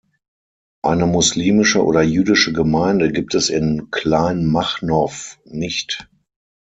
Eine muslimische oder jüdische Gemeinde gibt es in Kleinmachnow nicht.